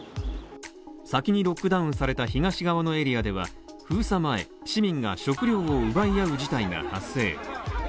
先にロックダウンされた東側のエリアでは封鎖前、市民が食料を奪い合う事態が発生。